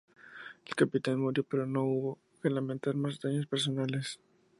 El capitán murió pero no hubo que lamentar más daños personales.